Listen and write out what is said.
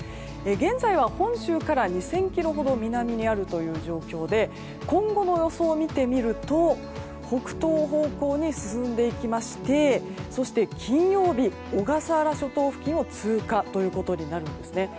現在は本州から２０００ｋｍ南にあるということで今後の予想を見てみると北東方向に進んでいきまして金曜日、小笠原諸島付近を通過となるんですね。